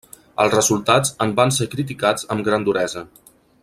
Els resultats en van ser criticats amb gran duresa.